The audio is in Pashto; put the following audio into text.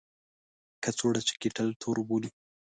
کڅوړه چې کیټل تور بولي.